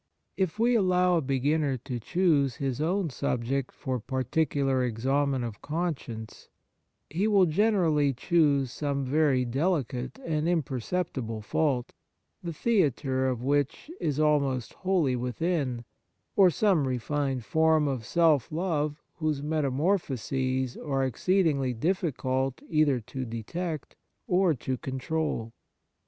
If we allow a beginner to choose his own subject for particular examen of conscience, he will generally choose some very delicate Kind Actions 95 and imperceptible fault, the theatre of which is almost wholly within, or some refined form of self love whose metamorphoses are exceedingly difficult either to detect or to control.